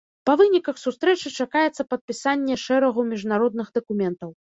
Па выніках сустрэчы чакаецца падпісанне шэрагу міжнародных дакументаў.